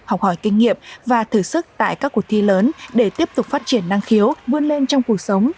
học hỏi kinh nghiệm và thử sức tại các cuộc thi lớn để tiếp tục phát triển năng khiếu vươn lên trong cuộc sống